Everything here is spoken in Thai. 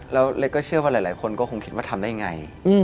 แล้วเล็กก็เชื่อว่าหลายคนก็คงคิดว่าทำได้ไง